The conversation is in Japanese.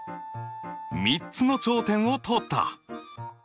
３つの頂点を通った！